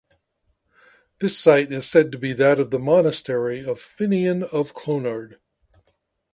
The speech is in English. The site is said to be that of the monastery of Finnian of Clonard.